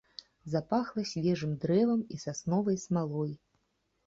Запахла свежым дрэвам і сасновай смалой.